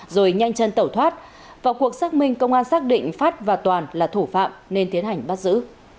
rồi nhanh chân tẩu thoát vào cuộc xác minh công an xác định phát và toàn là thủ phạm nên tiến hành bắt giữ